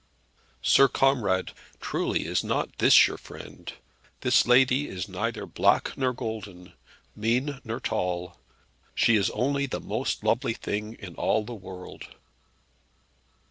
"Sir comrade, truly is not this your friend? This lady is neither black nor golden, mean nor tall. She is only the most lovely thing in all the world."